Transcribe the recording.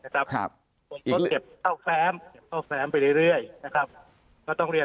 คนก็เก็บข้าวแซมไปเรื่อย